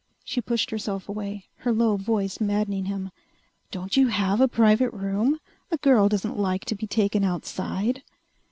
She pushed herself away, her low voice maddening him. "Don't you have a private room? A girl doesn't like to be taken outside...."